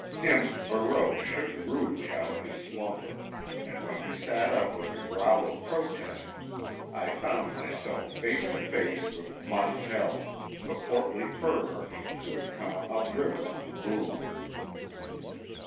Him Barreau shook rudely out of his slumber, and when he sat up with a growl of protest I found myself face to face with Montell, the portly fur merchant who had come up river on the Moon.